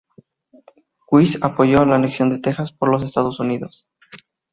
Wise apoyó la anexión de Texas por los Estados Unidos.